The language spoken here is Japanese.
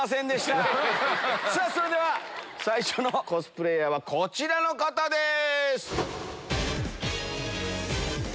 それでは最初のコスプレーヤーはこちらの方です。